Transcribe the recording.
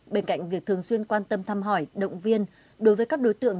bên cạnh việc thường xuyên quan tâm thăm hỏi động viên đối với các đối tượng